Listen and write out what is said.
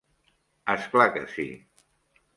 És clar que sí.